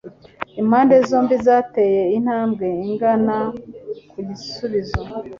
Impande zombi zateye intambwe igana ku gisubizo.